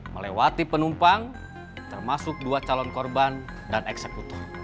melewati penumpang termasuk dua calon korban dan eksekutor